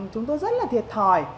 chúng tôi rất là thiệt thòi